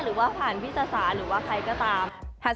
หรือว่าผ่านพิษศาสตร์หรือว่าใครก็ตาม